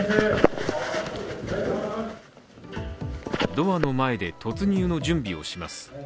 ドアの前で突入の準備をします。